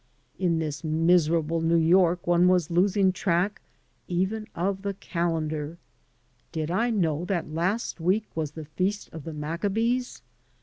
In this miserable New York one was losing track even of the calendar. Did I know that last week was the Feast of the Maccabees?